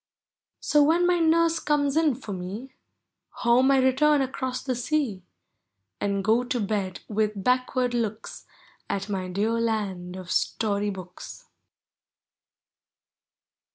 So, when my nurse comes in for me. Home I return across the sea, And go to 1mm] with backward looks At my dear land of Story books.